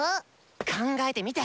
考えてみて！